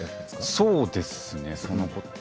そうですね